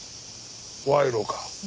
賄賂か？